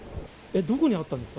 どこにあったんですか？